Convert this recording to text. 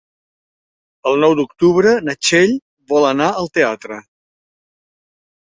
El nou d'octubre na Txell vol anar al teatre.